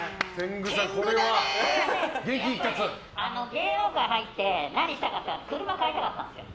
芸能界に入って何したかったかって車を買いたかったんですよ。